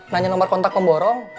nanya nomor kontak pemborong